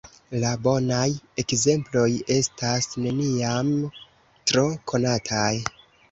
La bonaj ekzemploj estas neniam tro konataj!